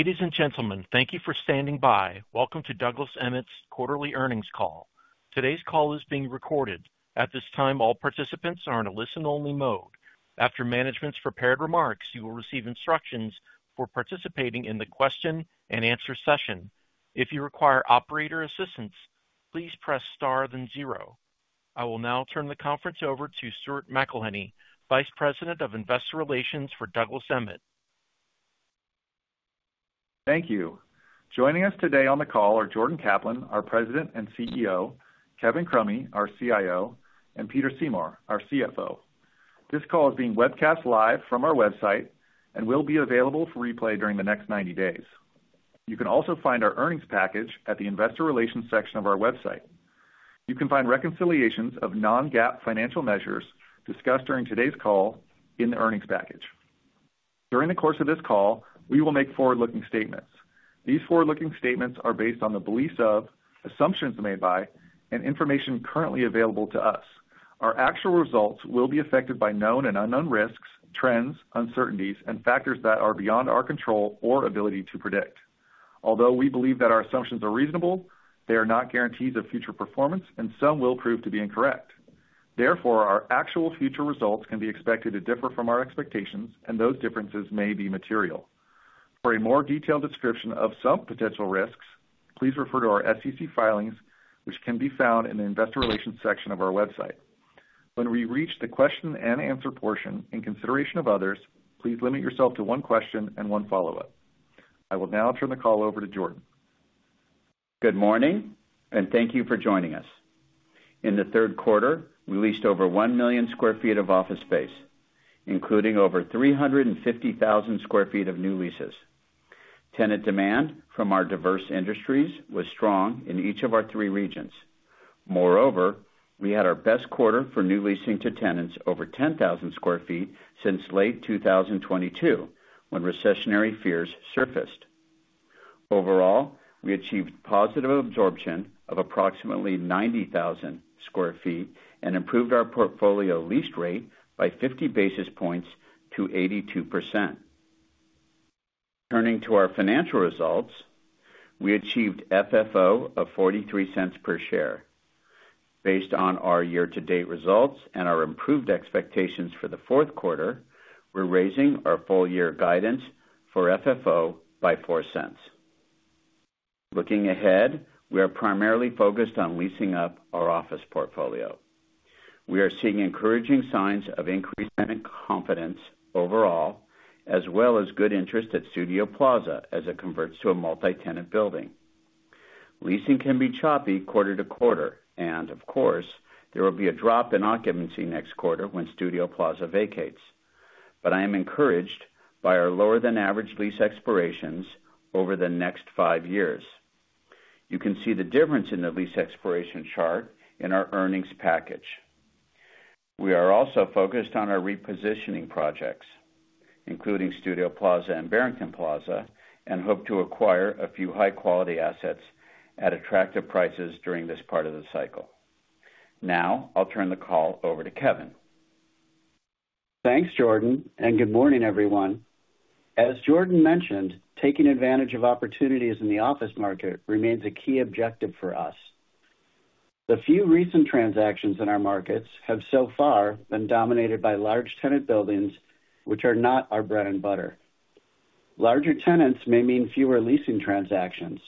Ladies and gentlemen, thank you for standing by. Welcome to Douglas Emmett's quarterly earnings call. Today's call is being recorded. At this time, all participants are in a listen-only mode. After management's prepared remarks, you will receive instructions for participating in the question-and-answer session. If you require operator assistance, please press star then zero. I will now turn the conference over to Stuart McElhinney, Vice President of Investor Relations for Douglas Emmett. Thank you. Joining us today on the call are Jordan Kaplan, our President and CEO, Kevin Crummy, our CIO, and Peter Seymour, our CFO. This call is being webcast live from our website and will be available for replay during the next 90 days. You can also find our earnings package at the Investor Relations section of our website. You can find reconciliations of non-GAAP financial measures discussed during today's call in the earnings package. During the course of this call, we will make forward-looking statements. These forward-looking statements are based on the beliefs of, assumptions made by, and information currently available to us. Our actual results will be affected by known and unknown risks, trends, uncertainties, and factors that are beyond our control or ability to predict. Although we believe that our assumptions are reasonable, they are not guarantees of future performance, and some will prove to be incorrect. Therefore, our actual future results can be expected to differ from our expectations, and those differences may be material. For a more detailed description of some potential risks, please refer to our SEC filings, which can be found in the Investor Relations section of our website. When we reach the question-and-answer portion, in consideration of others, please limit yourself to one question and one follow-up. I will now turn the call over to Jordan. Good morning, and thank you for joining us. In the third quarter, we leased over 1 million sq ft of office space, including over 350,000 sq ft of new leases. Tenant demand from our diverse industries was strong in each of our three regions. Moreover, we had our best quarter for new leasing to tenants over 10,000 sq ft since late 2022 when recessionary fears surfaced. Overall, we achieved positive absorption of approximately 90,000 sq ft and improved our portfolio lease rate by 50 basis points to 82%. Turning to our financial results, we achieved FFO of $0.43 per share. Based on our year-to-date results and our improved expectations for the fourth quarter, we're raising our full-year guidance for FFO by $0.04. Looking ahead, we are primarily focused on leasing up our office portfolio. We are seeing encouraging signs of increased tenant confidence overall, as well as good interest at Studio Plaza as it converts to a multi-tenant building. Leasing can be choppy quarter to quarter, and of course, there will be a drop in occupancy next quarter when Studio Plaza vacates. But I am encouraged by our lower-than-average lease expirations over the next five years. You can see the difference in the lease expiration chart in our earnings package. We are also focused on our repositioning projects, including Studio Plaza and Barrington Plaza, and hope to acquire a few high-quality assets at attractive prices during this part of the cycle. Now, I'll turn the call over to Kevin. Thanks, Jordan, and good morning, everyone. As Jordan mentioned, taking advantage of opportunities in the office market remains a key objective for us. The few recent transactions in our markets have so far been dominated by large tenant buildings, which are not our bread and butter. Larger tenants may mean fewer leasing transactions,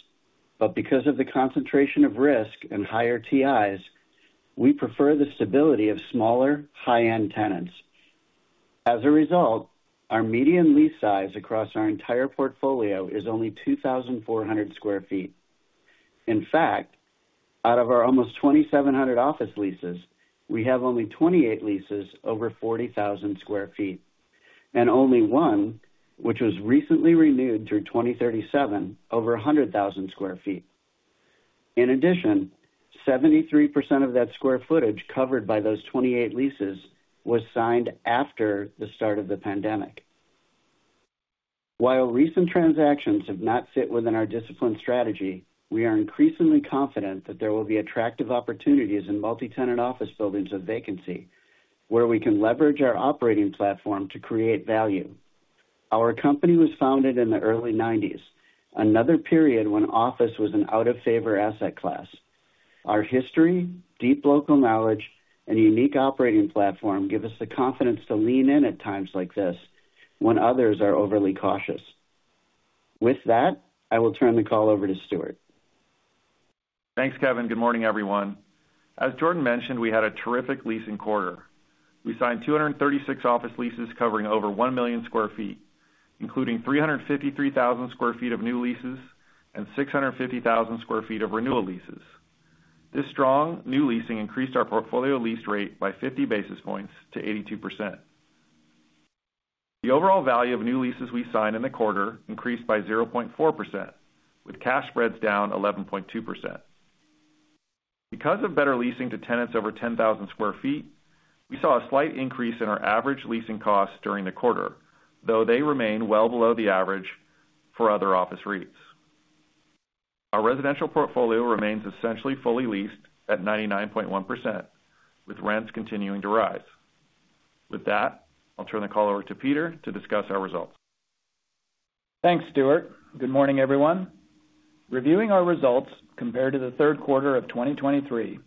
but because of the concentration of risk and higher TIs, we prefer the stability of smaller, high-end tenants. As a result, our median lease size across our entire portfolio is only 2,400 sq ft. In fact, out of our almost 2,700 office leases, we have only 28 leases over 40,000 sq ft, and only one, which was recently renewed through 2037, over 100,000 sq ft. In addition, 73% of that square footage covered by those 28 leases was signed after the start of the pandemic. While recent transactions have not fit within our disciplined strategy, we are increasingly confident that there will be attractive opportunities in multi-tenant office buildings with vacancy, where we can leverage our operating platform to create value. Our company was founded in the early 1990s, another period when office was an out-of-favor asset class. Our history, deep local knowledge, and unique operating platform give us the confidence to lean in at times like this when others are overly cautious. With that, I will turn the call over to Stuart. Thanks, Kevin. Good morning, everyone. As Jordan mentioned, we had a terrific leasing quarter. We signed 236 office leases covering over 1 million sq ft, including 353,000 sq ft of new leases and 650,000 sq ft of renewal leases. This strong new leasing increased our portfolio lease rate by 50 basis points to 82%. The overall value of new leases we signed in the quarter increased by 0.4%, with cash spreads down 11.2%. Because of better leasing to tenants over 10,000 sq ft, we saw a slight increase in our average leasing costs during the quarter, though they remain well below the average for other office rates. Our residential portfolio remains essentially fully leased at 99.1%, with rents continuing to rise. With that, I'll turn the call over to Peter to discuss our results. Thanks, Stuart. Good morning, everyone. Reviewing our results compared to the third quarter of 2023,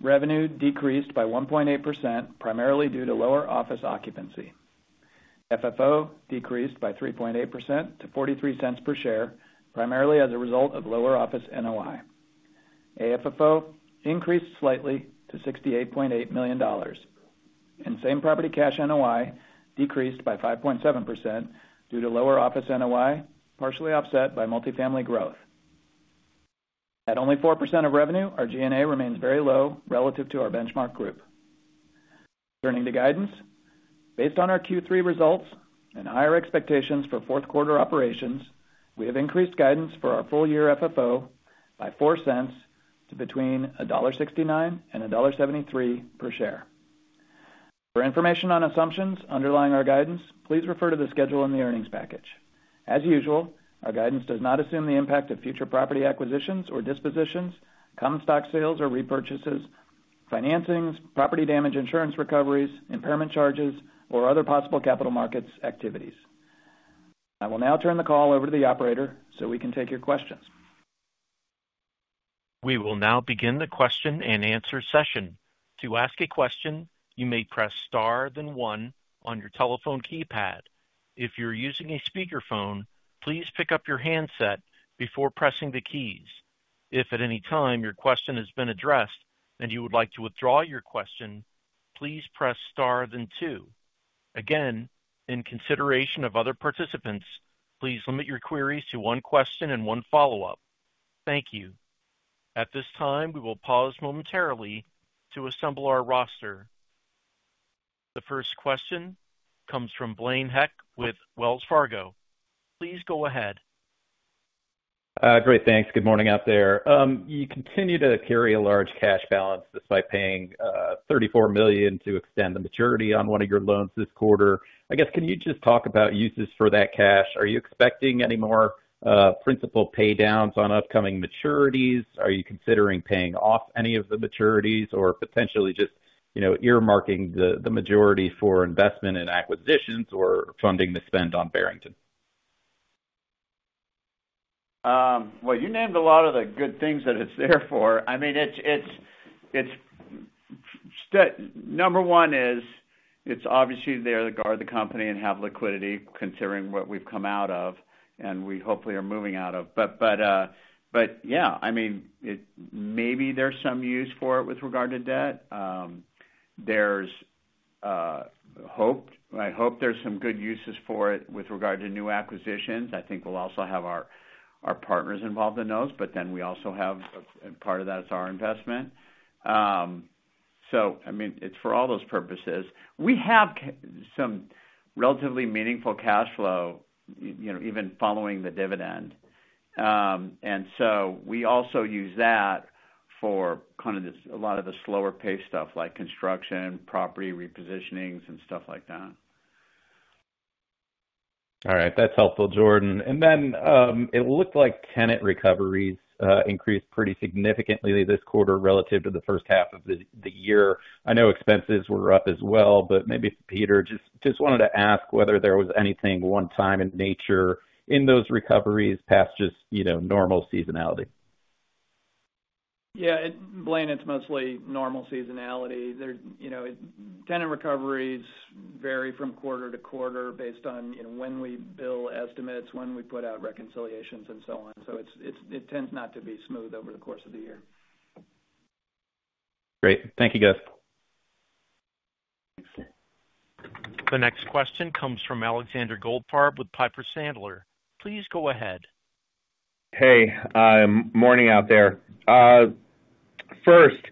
revenue decreased by 1.8%, primarily due to lower office occupancy. FFO decreased by 3.8% to 43 cents per share, primarily as a result of lower office NOI. AFFO increased slightly to $68.8 million, and same property cash NOI decreased by 5.7% due to lower office NOI, partially offset by multifamily growth. At only 4% of revenue, our G&A remains very low relative to our benchmark group. Turning to guidance, based on our Q3 results and higher expectations for fourth quarter operations, we have increased guidance for our full-year FFO by four cents to between $1.69 and $1.73 per share. For information on assumptions underlying our guidance, please refer to the schedule in the earnings package. As usual, our guidance does not assume the impact of future property acquisitions or dispositions, common stock sales or repurchases, financings, property damage insurance recoveries, impairment charges, or other possible capital markets activities. I will now turn the call over to the operator so we can take your questions. We will now begin the question-and-answer session. To ask a question, you may press star then one on your telephone keypad. If you're using a speakerphone, please pick up your handset before pressing the keys. If at any time your question has been addressed and you would like to withdraw your question, please press star then two. Again, in consideration of other participants, please limit your queries to one question and one follow-up. Thank you. At this time, we will pause momentarily to assemble our roster. The first question comes from Blaine Heck with Wells Fargo. Please go ahead. Great. Thanks. Good morning out there. You continue to carry a large cash balance despite paying $34 million to extend the maturity on one of your loans this quarter. I guess, can you just talk about uses for that cash? Are you expecting any more principal paydowns on upcoming maturities? Are you considering paying off any of the maturities or potentially just earmarking the majority for investment and acquisitions or funding the spend on Barrington? You named a lot of the good things that it's there for. I mean, number one is it's obviously there to guard the company and have liquidity considering what we've come out of and we hopefully are moving out of. But yeah, I mean, maybe there's some use for it with regard to debt. I hope there's some good uses for it with regard to new acquisitions. I think we'll also have our partners involved in those, but then we also have part of that is our investment. So I mean, it's for all those purposes. We have some relatively meaningful cash flow even following the dividend. And so we also use that for kind of a lot of the slower-paced stuff like construction, property repositionings, and stuff like that. All right. That's helpful, Jordan. And then it looked like tenant recoveries increased pretty significantly this quarter relative to the first half of the year. I know expenses were up as well, but maybe Peter just wanted to ask whether there was anything one-time in nature in those recoveries past just normal seasonality. Yeah. Blaine, it's mostly normal seasonality. Tenant recoveries vary from quarter to quarter based on when we bill estimates, when we put out reconciliations, and so on. So it tends not to be smooth over the course of the year. Great. Thank you, guys. The next question comes from Alexander Goldfarb with Piper Sandler. Please go ahead. Hey. Morning out there. First,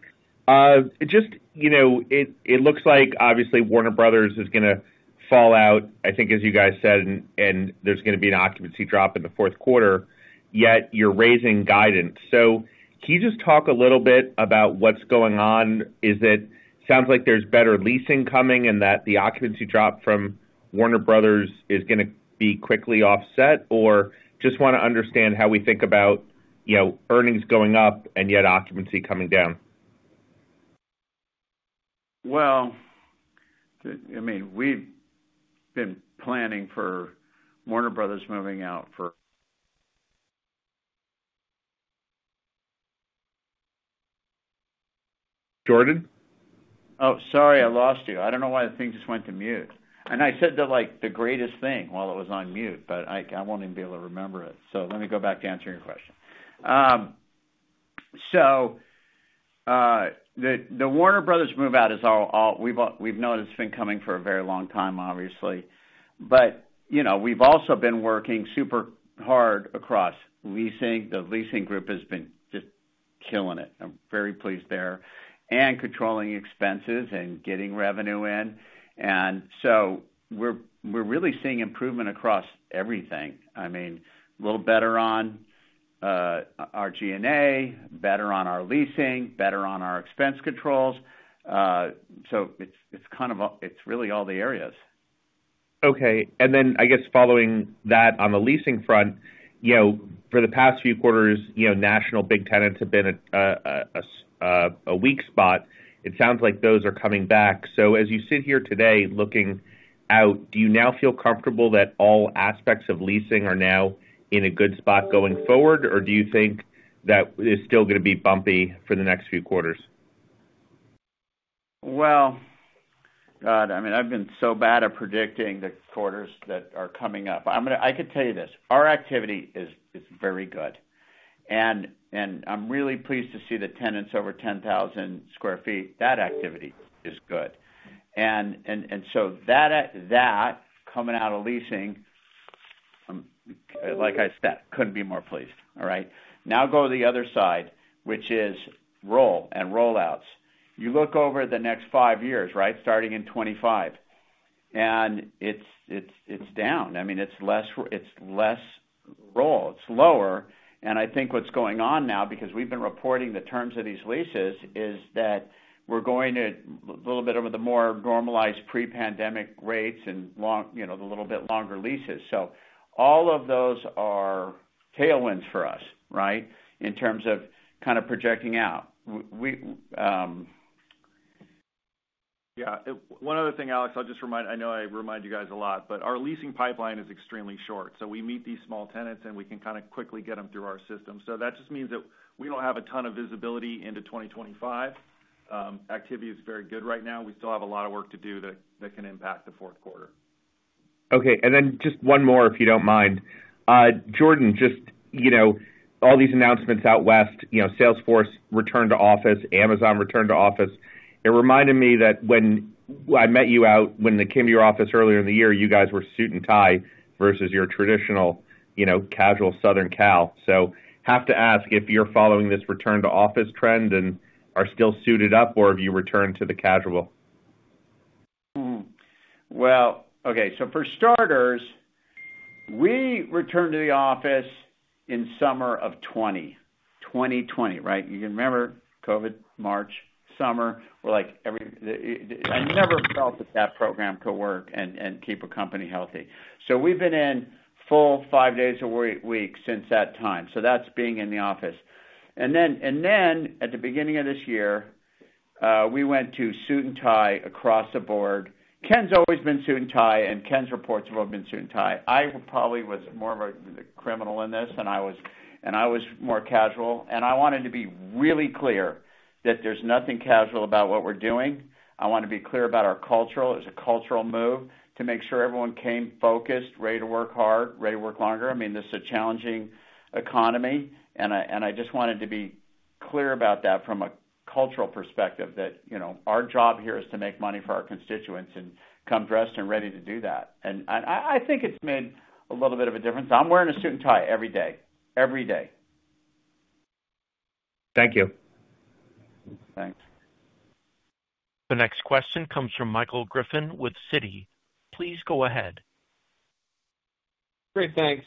it looks like obviously Warner Bros. is going to fall out, I think, as you guys said, and there's going to be an occupancy drop in the fourth quarter, yet you're raising guidance. So can you just talk a little bit about what's going on? Is it sounds like there's better leasing coming and that the occupancy drop from Warner Bros. is going to be quickly offset, or just want to understand how we think about earnings going up and yet occupancy coming down? Well, I mean, we've been planning for Warner Bros. moving out for. Jordan? Oh, sorry. I lost you. I don't know why. I think this went to mute, and I said the greatest thing while it was on mute, but I won't even be able to remember it, so let me go back to answering your question, so the Warner Bros. move-out, that's all we've known. It's been coming for a very long time, obviously, but we've also been working super hard across leasing. The leasing group has been just killing it. I'm very pleased there, and controlling expenses and getting revenue in, and so we're really seeing improvement across everything. I mean, a little better on our G&A, better on our leasing, better on our expense controls, so it's really all the areas. Okay. And then I guess following that on the leasing front, for the past few quarters, national big tenants have been a weak spot. It sounds like those are coming back. So as you sit here today looking out, do you now feel comfortable that all aspects of leasing are now in a good spot going forward, or do you think that it's still going to be bumpy for the next few quarters? Well, God, I mean, I've been so bad at predicting the quarters that are coming up. I could tell you this. Our activity is very good. And I'm really pleased to see the tenants over 10,000 sq ft. That activity is good. And so that coming out of leasing, like I said, couldn't be more pleased. All right? Now go to the other side, which is roll and rollouts. You look over the next five years, right, starting in 2025, and it's down. I mean, it's less roll. It's lower. And I think what's going on now, because we've been reporting the terms of these leases, is that we're going to a little bit of the more normalized pre-pandemic rates and the little bit longer leases. So all of those are tailwinds for us, right, in terms of kind of projecting out. Yeah. One other thing, Alex, I'll just remind I know I remind you guys a lot, but our leasing pipeline is extremely short. So we meet these small tenants, and we can kind of quickly get them through our system. So that just means that we don't have a ton of visibility into 2025. Activity is very good right now. We still have a lot of work to do that can impact the fourth quarter. Okay. And then just one more, if you don't mind. Jordan, just all these announcements out west, Salesforce returned to office, Amazon returned to office. It reminded me that when I met you out, when they came to your office earlier in the year, you guys were suit and tie versus your traditional casual Southern Cal. So have to ask if you're following this return-to-office trend and are still suited up, or have you returned to the casual? Okay. For starters, we returned to the office in summer of 2020, right? You can remember COVID, March, summer. I never felt that that program could work and keep a company healthy. We've been in full five days a week since that time. That's being in the office. At the beginning of this year, we went to suit and tie across the board. Ken's always been suit and tie, and Ken's reports have always been suit and tie. I probably was more of a criminal in this, and I was more casual. I wanted to be really clear that there's nothing casual about what we're doing. I want to be clear about our culture. It was a cultural move to make sure everyone came focused, ready to work hard, ready to work longer. I mean, this is a challenging economy, and I just wanted to be clear about that from a cultural perspective that our job here is to make money for our constituents and come dressed and ready to do that, and I think it's made a little bit of a difference. I'm wearing a suit and tie every day. Every day. Thank you. Thanks. The next question comes from Michael Griffin with Citi. Please go ahead. Great. Thanks.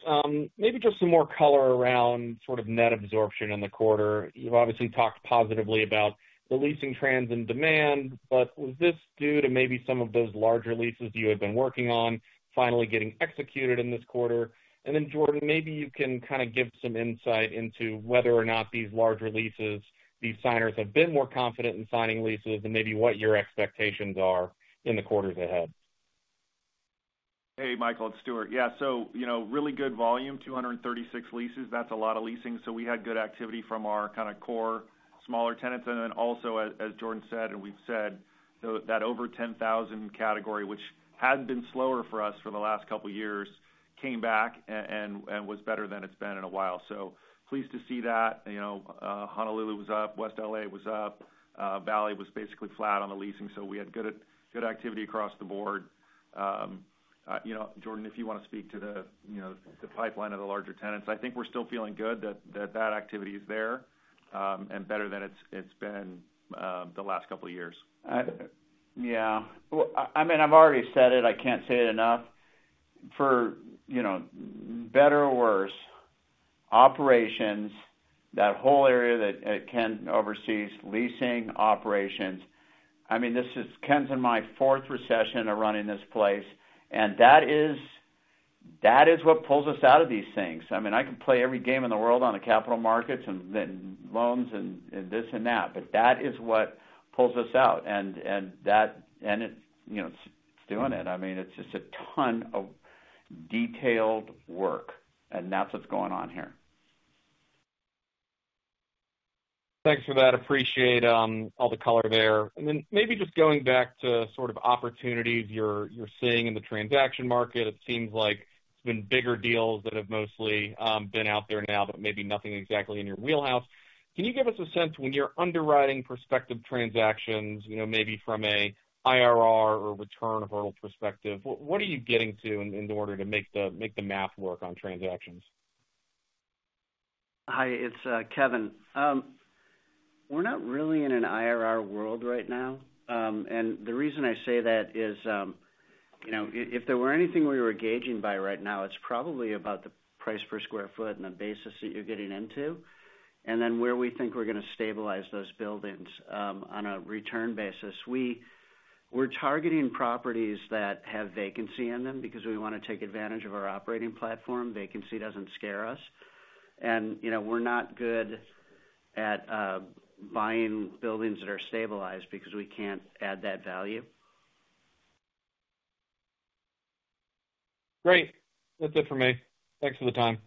Maybe just some more color around sort of net absorption in the quarter. You've obviously talked positively about the leasing trends and demand, but was this due to maybe some of those larger leases you had been working on finally getting executed in this quarter? And then, Jordan, maybe you can kind of give some insight into whether or not these larger leases, these signers have been more confident in signing leases and maybe what your expectations are in the quarters ahead? Hey, Michael. It's Stuart. Yeah. So really good volume, 236 leases. That's a lot of leasing. So we had good activity from our kind of core smaller tenants. And then also, as Jordan said and we've said, that over 10,000 category, which had been slower for us for the last couple of years, came back and was better than it's been in a while. So pleased to see that. Honolulu was up. West LA was up. Valley was basically flat on the leasing. So we had good activity across the board. Jordan, if you want to speak to the pipeline of the larger tenants, I think we're still feeling good that that activity is there and better than it's been the last couple of years. Yeah. I mean, I've already said it. I can't say it enough. For better or worse, operations, that whole area that Ken oversees, leasing operations, I mean, this is Ken's and my fourth recession of running this place. And that is what pulls us out of these things. I mean, I can play every game in the world on the capital markets and loans and this and that, but that is what pulls us out. And it's doing it. I mean, it's just a ton of detailed work, and that's what's going on here. Thanks for that. Appreciate all the color there, and then maybe just going back to sort of opportunities you're seeing in the transaction market, it seems like it's been bigger deals that have mostly been out there now, but maybe nothing exactly in your wheelhouse. Can you give us a sense when you're underwriting prospective transactions, maybe from an IRR or return of hurdle perspective, what are you getting to in order to make the math work on transactions? Hi. It's Kevin. We're not really in an IRR world right now, and the reason I say that is if there were anything we were gauging by right now, it's probably about the price per square foot and the basis that you're getting into and then where we think we're going to stabilize those buildings on a return basis. We're targeting properties that have vacancy in them because we want to take advantage of our operating platform. Vacancy doesn't scare us, and we're not good at buying buildings that are stabilized because we can't add that value. Great. That's it for me. Thanks for the time.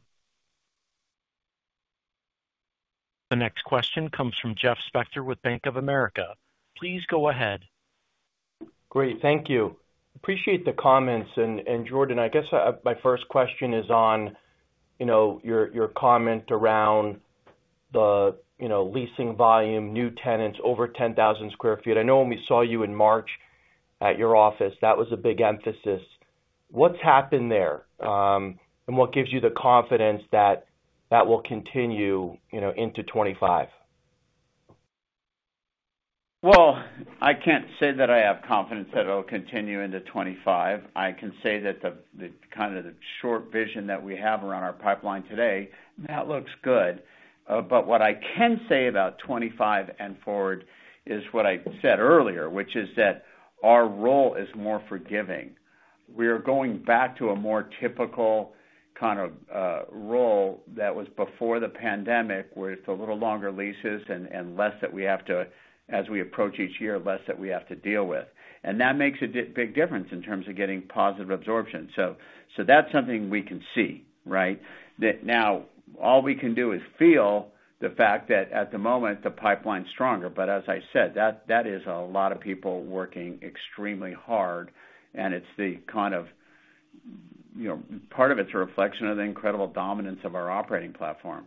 The next question comes from Jeff Spector with Bank of America. Please go ahead. Great. Thank you. Appreciate the comments. And Jordan, I guess my first question is on your comment around the leasing volume, new tenants, over 10,000 sq ft. I know when we saw you in March at your office, that was a big emphasis. What's happened there? And what gives you the confidence that that will continue into 2025? I can't say that I have confidence that it'll continue into 2025. I can say that kind of the short vision that we have around our pipeline today, that looks good. But what I can say about 2025 and forward is what I said earlier, which is that our role is more forgiving. We are going back to a more typical kind of role that was before the pandemic with a little longer leases and less that we have to, as we approach each year, less that we have to deal with. And that makes a big difference in terms of getting positive absorption. So that's something we can see, right? Now, all we can do is feel the fact that at the moment, the pipeline is stronger. But as I said, that is a lot of people working extremely hard, and it's the kind of part of it, it's a reflection of the incredible dominance of our operating platform.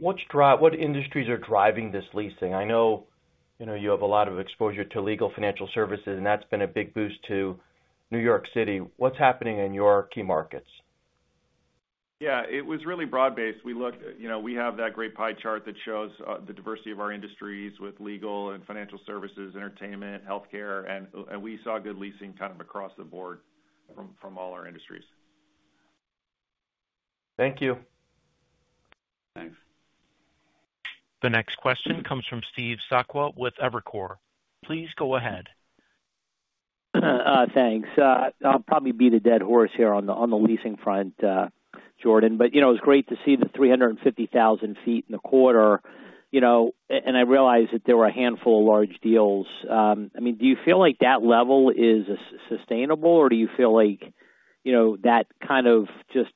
What industries are driving this leasing? I know you have a lot of exposure to legal financial services, and that's been a big boost to New York City. What's happening in your key markets? Yeah. It was really broad-based. We have that great pie chart that shows the diversity of our industries with legal and financial services, entertainment, healthcare, and we saw good leasing kind of across the board from all our industries. Thank you. Thanks. The next question comes from Steve Sakwa with Evercore. Please go ahead. Thanks. I'll probably beat a dead horse here on the leasing front, Jordan. But it was great to see the 350,000 sq ft in the quarter. And I realized that there were a handful of large deals. I mean, do you feel like that level is sustainable, or do you feel like that kind of just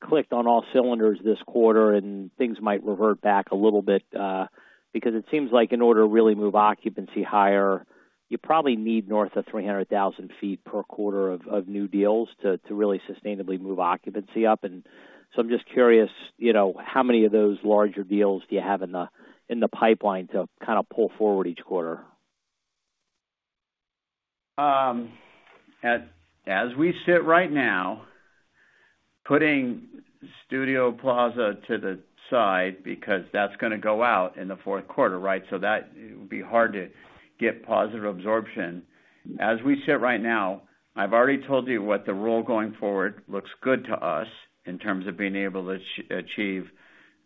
clicked on all cylinders this quarter and things might revert back a little bit? Because it seems like in order to really move occupancy higher, you probably need north of 300,000 sq ft per quarter of new deals to really sustainably move occupancy up. And so I'm just curious, how many of those larger deals do you have in the pipeline to kind of pull forward each quarter? As we sit right now, putting Studio Plaza to the side because that's going to go out in the fourth quarter, right? So it would be hard to get positive absorption. As we sit right now, I've already told you what the role going forward looks good to us in terms of being able to achieve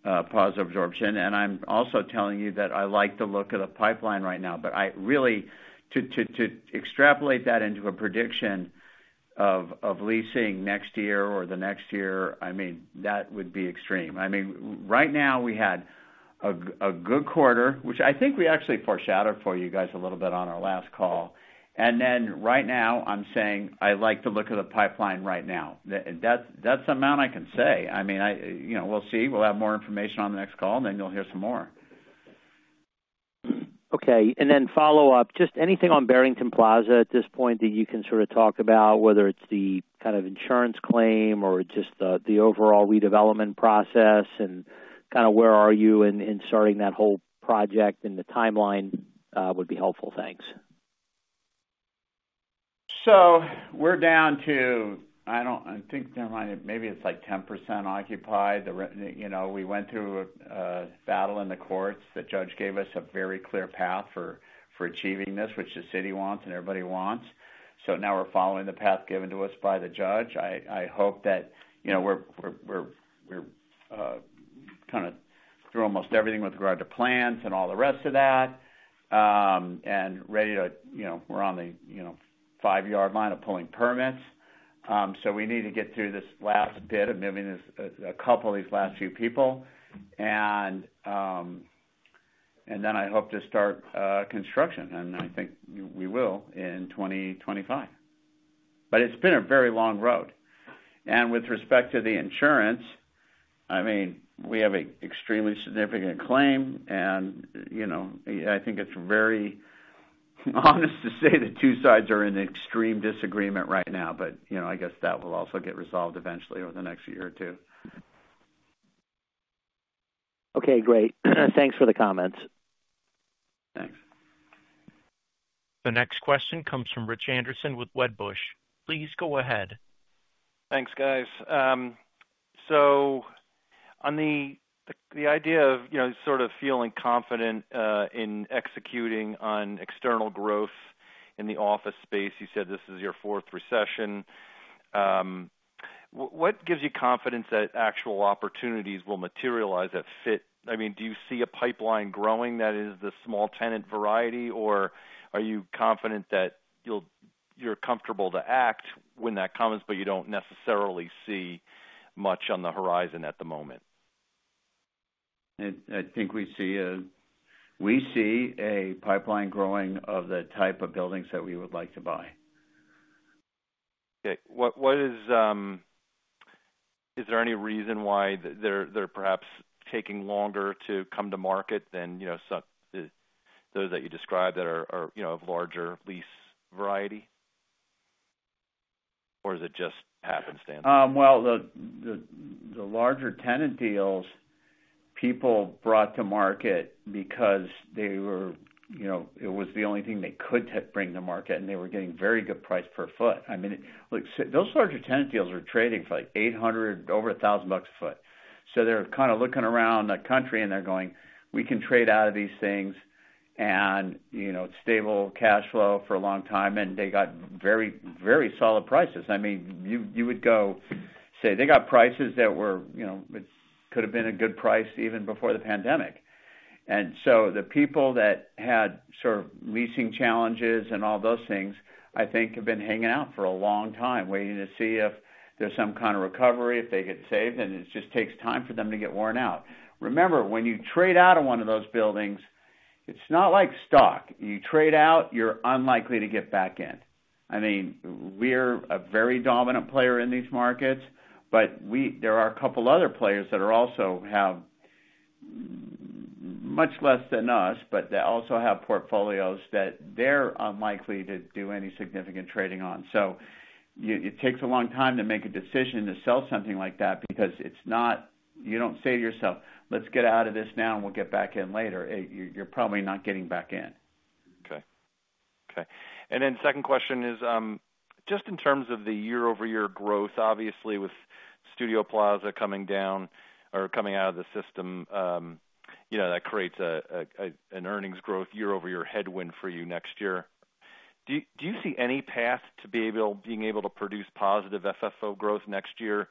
positive absorption. And I'm also telling you that I like the look of the pipeline right now. But really, to extrapolate that into a prediction of leasing next year or the next year, I mean, that would be extreme. I mean, right now, we had a good quarter, which I think we actually foreshadowed for you guys a little bit on our last call. And then right now, I'm saying I like the look of the pipeline right now. That's the amount I can say. I mean, we'll see. We'll have more information on the next call, and then you'll hear some more. Okay. And then follow-up, just anything on Barrington Plaza at this point that you can sort of talk about, whether it's the kind of insurance claim or just the overall redevelopment process and kind of where are you in starting that whole project and the timeline would be helpful. Thanks. We're down to, I think, maybe it's like 10% occupied. We went through a battle in the courts. The judge gave us a very clear path for achieving this, which the city wants and everybody wants. Now we're following the path given to us by the judge. I hope that we're kind of through almost everything with regard to plans and all the rest of that and ready to. We're on the five-yard line of pulling permits. We need to get through this last bit of moving a couple of these last few people. And then I hope to start construction. And I think we will in 2025. But it's been a very long road. And with respect to the insurance, I mean, we have an extremely significant claim. And I think it's very honest to say the two sides are in extreme disagreement right now. But I guess that will also get resolved eventually over the next year or two. Okay. Great. Thanks for the comments. Thanks. The next question comes from Rich Anderson with Wedbush. Please go ahead. Thanks, guys. So on the idea of sort of feeling confident in executing on external growth in the office space, you said this is your fourth recession. What gives you confidence that actual opportunities will materialize that fit? I mean, do you see a pipeline growing that is the small tenant variety, or are you confident that you're comfortable to act when that comes, but you don't necessarily see much on the horizon at the moment? I think we see a pipeline growing of the type of buildings that we would like to buy. Okay. Is there any reason why they're perhaps taking longer to come to market than those that you described that have larger lease variety? Or is it just happenstance? The larger tenant deals people brought to market because it was the only thing they could bring to market, and they were getting very good price per foot. I mean, those larger tenant deals were trading for like $800, over $1,000 bucks a foot. So they're kind of looking around the country, and they're going, "We can trade out of these things, and it's stable cash flow for a long time." And they got very, very solid prices. I mean, you would go say they got prices that could have been a good price even before the pandemic. And so the people that had sort of leasing challenges and all those things, I think, have been hanging out for a long time waiting to see if there's some kind of recovery, if they get saved. And it just takes time for them to get worn out. Remember, when you trade out of one of those buildings, it's not like stock. You trade out, you're unlikely to get back in. I mean, we're a very dominant player in these markets, but there are a couple of other players that also have much less than us, but they also have portfolios that they're unlikely to do any significant trading on. So it takes a long time to make a decision to sell something like that because you don't say to yourself, "Let's get out of this now, and we'll get back in later." You're probably not getting back in. Okay. Okay. And then second question is just in terms of the year-over-year growth, obviously, with Studio Plaza coming down or coming out of the system, that creates an earnings growth year-over-year headwind for you next year. Do you see any path to being able to produce positive FFO growth next year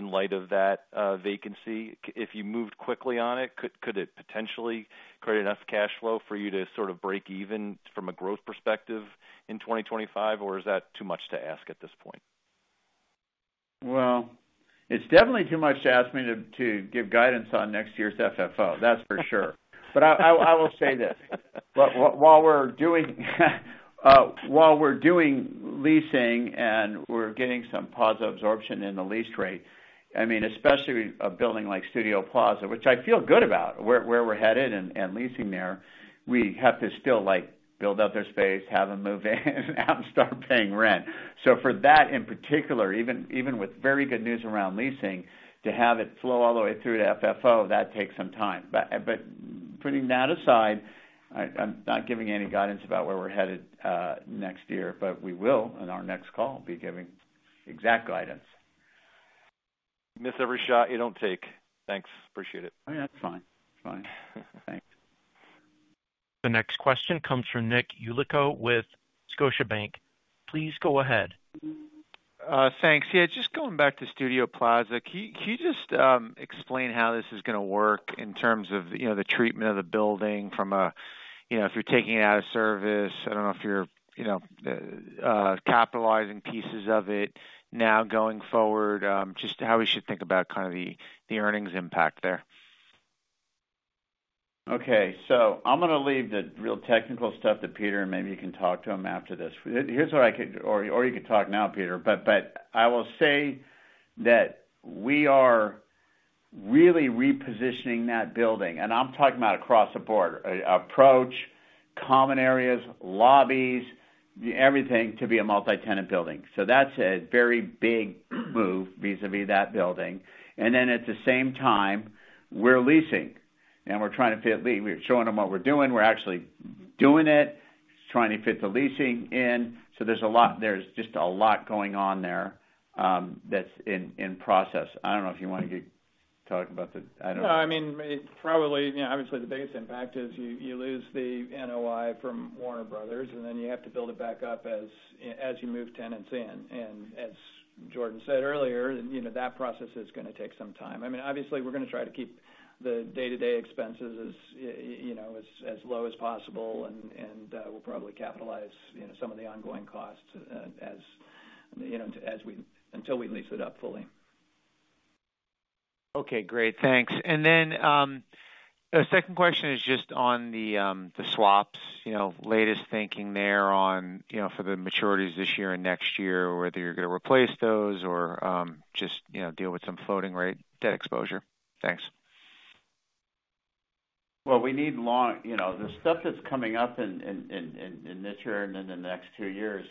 in light of that vacancy? If you moved quickly on it, could it potentially create enough cash flow for you to sort of break even from a growth perspective in 2025? Or is that too much to ask at this point? It's definitely too much to ask me to give guidance on next year's FFO. That's for sure. But I will say this. While we're doing leasing and we're getting some positive absorption in the lease rate, I mean, especially a building like Studio Plaza, which I feel good about where we're headed and leasing there, we have to still build up their space, have them move in, and start paying rent. So for that in particular, even with very good news around leasing, to have it flow all the way through to FFO, that takes some time. But putting that aside, I'm not giving any guidance about where we're headed next year, but we will on our next call be giving exact guidance. Miss every shot you don't take. Thanks. Appreciate it. That's fine. That's fine. Thanks. The next question comes from Nick Yulico with Scotiabank. Please go ahead. Thanks. Yeah. Just going back to Studio Plaza, can you just explain how this is going to work in terms of the treatment of the building from a, if you're taking it out of service? I don't know if you're capitalizing pieces of it now going forward. Just how we should think about kind of the earnings impact there? Okay. So I'm going to leave the real technical stuff to Peter, and maybe you can talk to him after this. Here's what I could or you could talk now, Peter. But I will say that we are really repositioning that building. And I'm talking about across the board: approach, common areas, lobbies, everything to be a multi-tenant building. So that's a very big move vis-à-vis that building. And then at the same time, we're leasing, and we're trying to fit lease. We're showing them what we're doing. We're actually doing it, trying to fit the leasing in. So there's just a lot going on there that's in process. I don't know if you want to talk about the. I don't know. No, I mean, probably, obviously, the biggest impact is you lose the NOI from Warner Bros., and then you have to build it back up as you move tenants in. And as Jordan said earlier, that process is going to take some time. I mean, obviously, we're going to try to keep the day-to-day expenses as low as possible, and we'll probably capitalize some of the ongoing costs until we lease it up fully. Okay. Great. Thanks. And then the second question is just on the swaps, latest thinking there for the maturities this year and next year, whether you're going to replace those or just deal with some floating-rate debt exposure. Thanks. Well, we need the stuff that's coming up in this year and in the next two years,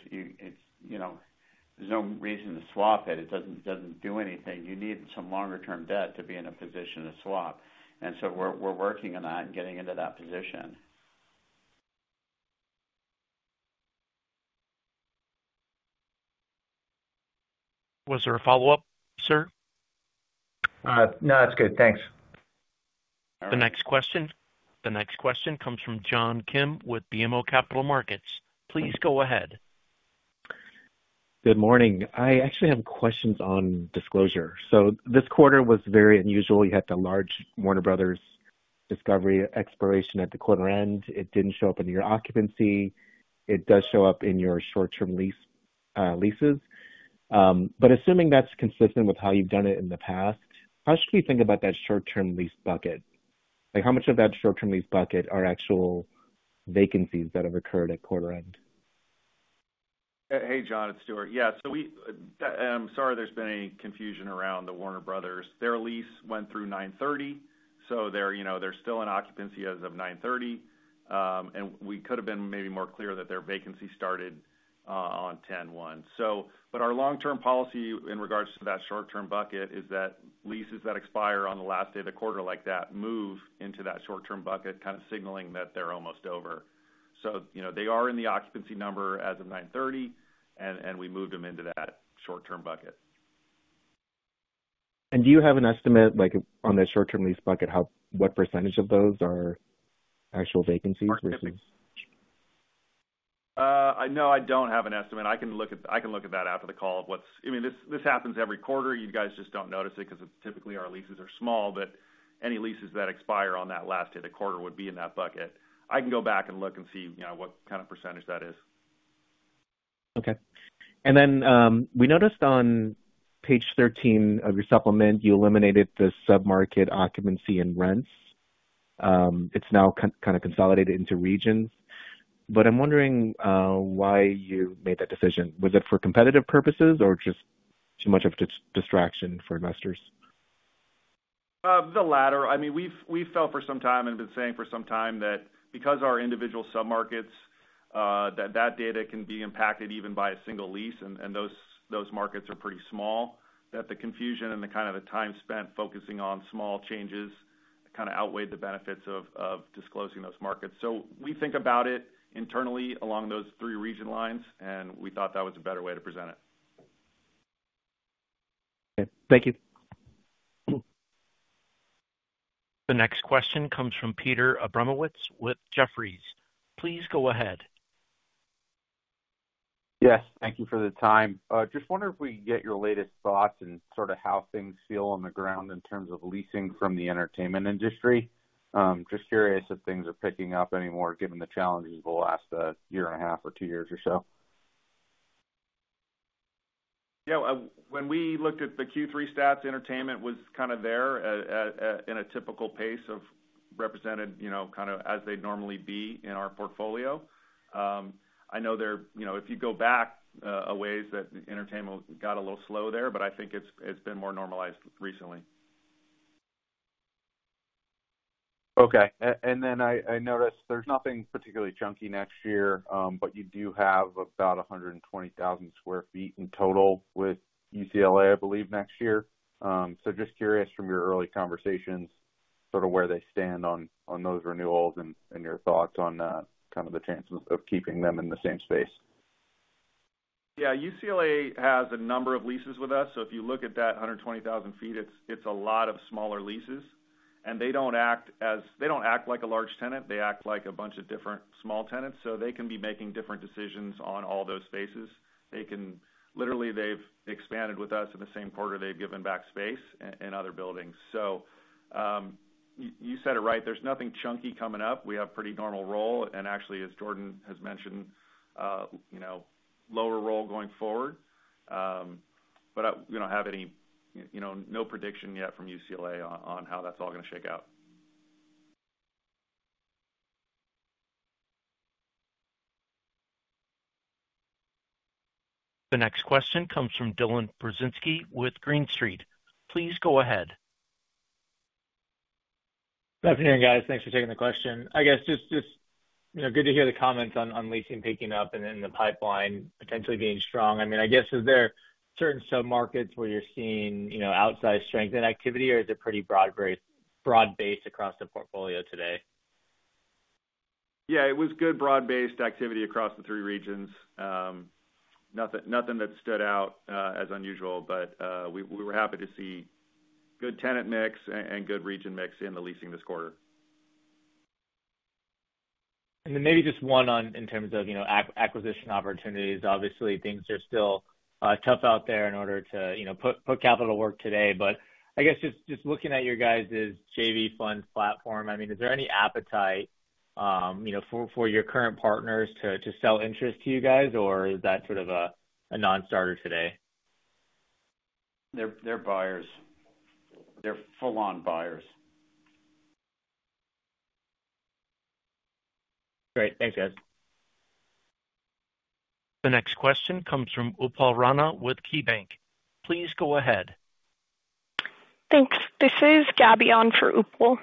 there's no reason to swap it. It doesn't do anything. You need some longer-term debt to be in a position to swap. And so we're working on that and getting into that position. Was there a follow-up, sir? No, that's good. Thanks. The next question comes from John Kim with BMO Capital Markets. Please go ahead. Good morning. I actually have questions on disclosure. So this quarter was very unusual. You had the large Warner Bros. Discovery expiration at the quarter end. It didn't show up in your occupancy. It does show up in your short-term leases. But assuming that's consistent with how you've done it in the past, how should we think about that short-term lease bucket? How much of that short-term lease bucket are actual vacancies that have occurred at quarter end? Hey, John, it's Stuart. Yeah. So I'm sorry there's been any confusion around the Warner Bros. Their lease went through 9/30, so they're still in occupancy as of 9/30. And we could have been maybe more clear that their vacancy started on 10/01. But our long-term policy in regards to that short-term bucket is that leases that expire on the last day of the quarter like that move into that short-term bucket, kind of signaling that they're almost over. So they are in the occupancy number as of 9/30, and we moved them into that short-term bucket. Do you have an estimate on the short-term lease bucket, what percentage of those are actual vacancies versus? No, I don't have an estimate. I can look at that after the call of what's, I mean, this happens every quarter. You guys just don't notice it because typically our leases are small. But any leases that expire on that last day of the quarter would be in that bucket. I can go back and look and see what kind of percentage that is. Okay. And then we noticed on page 13 of your supplement, you eliminated the submarket occupancy and rents. It's now kind of consolidated into regions. But I'm wondering why you made that decision. Was it for competitive purposes or just too much of a distraction for investors? The latter. I mean, we've felt for some time and been saying for some time that because our individual submarkets, that data can be impacted even by a single lease, and those markets are pretty small, that the confusion and the kind of the time spent focusing on small changes kind of outweighed the benefits of disclosing those markets. So we think about it internally along those three region lines, and we thought that was a better way to present it. Okay. Thank you. The next question comes from Peter Abramowitz with Jefferies. Please go ahead. Yes. Thank you for the time. Just wondering if we could get your latest thoughts and sort of how things feel on the ground in terms of leasing from the entertainment industry. Just curious if things are picking up anymore given the challenges of the last year and a half or two years or so? Yeah. When we looked at the Q3 stats, entertainment was kind of there in a typical pace of represented kind of as they'd normally be in our portfolio. I know if you go back a ways that entertainment got a little slow there, but I think it's been more normalized recently. Okay, and then I noticed there's nothing particularly chunky next year, but you do have about 120,000 sq ft in total with UCLA, I believe, next year, so just curious from your early conversations sort of where they stand on those renewals and your thoughts on kind of the chances of keeping them in the same space. Yeah. UCLA has a number of leases with us. So if you look at that 120,000 sq ft, it's a lot of smaller leases. And they don't act like a large tenant. They act like a bunch of different small tenants. So they can be making different decisions on all those spaces. Literally, they've expanded with us in the same quarter. They've given back space in other buildings. So you said it right. There's nothing chunky coming up. We have pretty normal roll. And actually, as Jordan has mentioned, lower roll going forward. But I don't have any prediction yet from UCLA on how that's all going to shake out. The next question comes from Dylan Burzinski with Green Street. Please go ahead. Good afternoon, guys. Thanks for taking the question. I guess just good to hear the comments on leasing picking up and the pipeline potentially being strong. I mean, I guess, is there certain submarkets where you're seeing outsized strength and activity, or is it pretty broad-based across the portfolio today? Yeah. It was good broad-based activity across the three regions. Nothing that stood out as unusual, but we were happy to see good tenant mix and good region mix in the leasing this quarter. Then maybe just one in terms of acquisition opportunities. Obviously, things are still tough out there in order to put capital to work today. I guess just looking at your guys' JV fund platform, I mean, is there any appetite for your current partners to sell interest to you guys, or is that sort of a non-starter today? They're buyers. They're full-on buyers. Great. Thanks, guys. The next question comes from Upal Rana with KeyBank. Please go ahead. Thanks. This is Gabby in for Upal.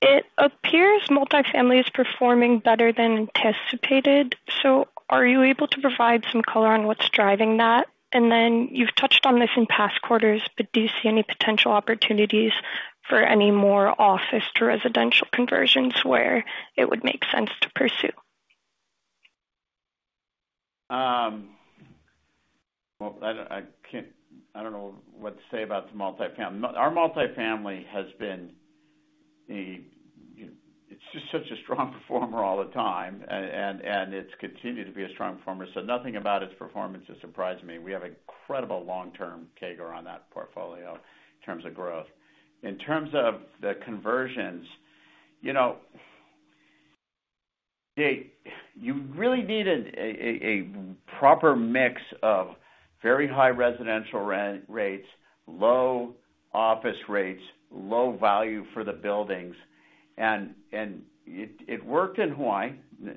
It appears multifamily is performing better than anticipated. So are you able to provide some color on what's driving that? And then you've touched on this in past quarters, but do you see any potential opportunities for any more office to residential conversions where it would make sense to pursue? I don't know what to say about the multifamily. Our multifamily has been. It's just such a strong performer all the time, and it's continued to be a strong performer. Nothing about its performance has surprised me. We have incredible long-term CAGR on that portfolio in terms of growth. In terms of the conversions, you really need a proper mix of very high residential rates, low office rates, low value for the buildings. It worked in Hawaii.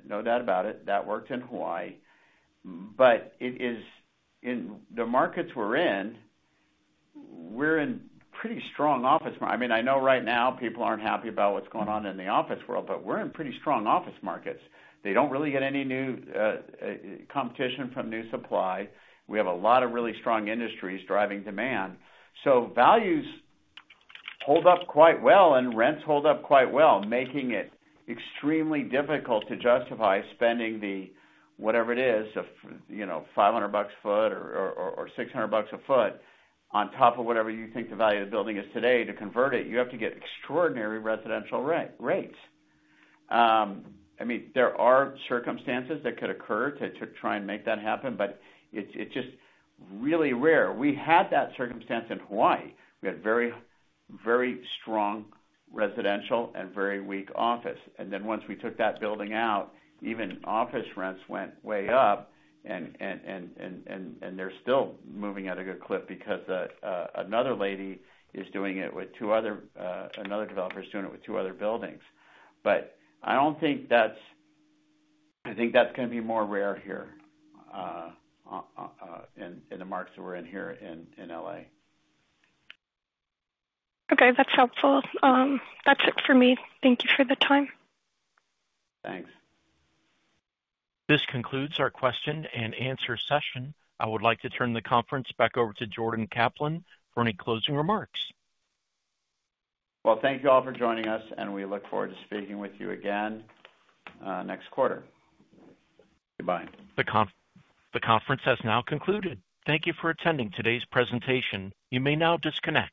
No doubt about it. That worked in Hawaii. In the markets we're in, we're in pretty strong office markets. I mean, I know right now people aren't happy about what's going on in the office world, but we're in pretty strong office markets. They don't really get any new competition from new supply. We have a lot of really strong industries driving demand. So values hold up quite well, and rents hold up quite well, making it extremely difficult to justify spending the whatever it is, $500 a foot or $600 a foot on top of whatever you think the value of the building is today. To convert it, you have to get extraordinary residential rates. I mean, there are circumstances that could occur to try and make that happen, but it's just really rare. We had that circumstance in Hawaii. We had very strong residential and very weak office. And then once we took that building out, even office rents went way up, and they're still moving at a good clip because another developer is doing it with two other buildings. But I don't think that's. I think that's going to be more rare here in the markets that we're in here in LA. Okay. That's helpful. That's it for me. Thank you for the time. Thanks. This concludes our question and answer session. I would like to turn the conference back over to Jordan Kaplan for any closing remarks. Thank you all for joining us, and we look forward to speaking with you again next quarter. Goodbye. The conference has now concluded. Thank you for attending today's presentation. You may now disconnect.